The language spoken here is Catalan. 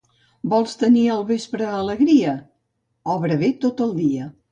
Vols tenir al vespre alegria? Obra bé tot el dia.